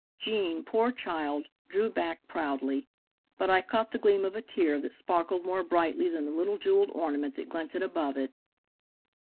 Gene, poor child, drew back proudly, but I caught the gleam of a tear that sparkled more brightly than the little jeweled ornament that glinted above it.